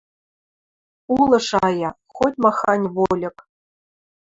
Улы шая: хоть-маханьы вольык